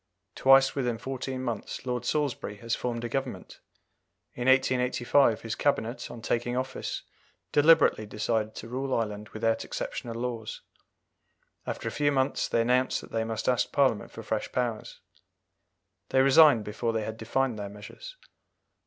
Twice within fourteen months Lord Salisbury has formed a Government. In 1885 his Cabinet, on taking office, deliberately decided to rule Ireland without exceptional laws; after a few months, they announced that they must ask Parliament for fresh powers. They resigned before they had defined their measures.